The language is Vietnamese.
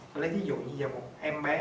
tôi lấy ví dụ như vậy một em bé